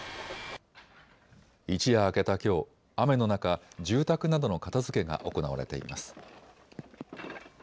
一夜明けたきょう、雨の中、住宅などの片づけが行われています。